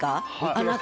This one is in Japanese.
あなた。